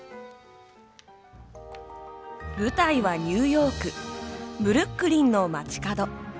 舞台はニューヨークブルックリンの街角。